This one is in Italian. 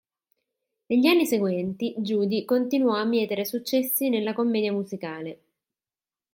Negli anni seguenti Judy continuò a mietere successi nella commedia musicale.